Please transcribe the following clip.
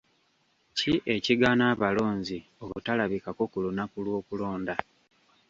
Ki ekigaana abalonzi obutalabikako ku lunaku lw'okulonda?